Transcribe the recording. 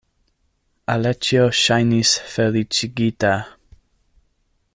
Aleĉjo ŝajnis feliĉigita.